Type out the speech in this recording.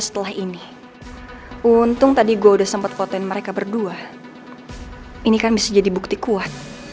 setelah ini untung tadi gue udah sempet fotoin mereka berdua ini kan bisa jadi bukti kuat